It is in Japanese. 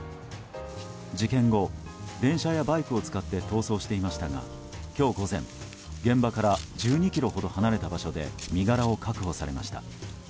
事件後、電車やバイクを使って逃走していましたが今日午前、現場から１２ｋｍほど離れた場所で身柄を確保されました。